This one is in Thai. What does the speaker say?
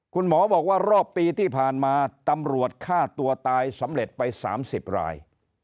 คุณหมอบอกว่ารอบปีที่ผ่านมาตำรวจฆ่าตัวตายสำเร็จไป๓๐ราย